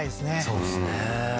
そうですね